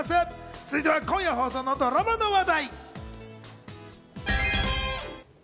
続いては今夜放送のドラマの話題。